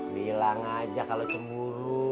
bilang aja kalau cemburu